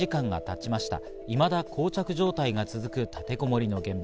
いまだ、こう着状態が続く立てこもりの現場。